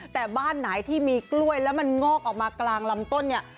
แต่บ้านไหนที่มีกล้วยแล้วมันงอกออกมากลางลำต้นเนี่ย